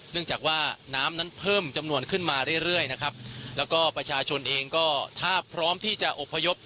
เนื่องจากว่าน้ำนั้นเพิ่มจำนวนขึ้นมาเรื่อยเรื่อยนะครับแล้วก็ประชาชนเองก็ถ้าพร้อมที่จะอบพยพ